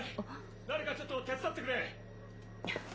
誰かちょっと・手伝ってくれ。